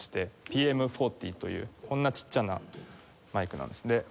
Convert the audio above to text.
ＰＭ４０というこんなちっちゃなマイクなんです。